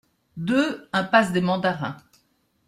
deux impasse des mandarins